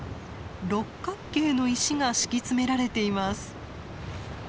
六角形の石が敷き詰められています。